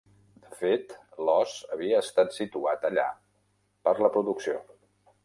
De fet, l'os havia estat "situat" allà per la producció.